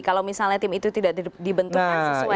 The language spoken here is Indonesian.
kalau misalnya tim itu tidak dibentukkan sesuai